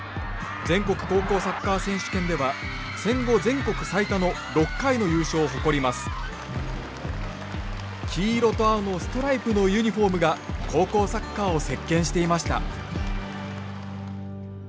全国高校サッカー選手権では戦後全国最多の黄色と青のストライプのユニフォームが高校サッカーを席けんしていました。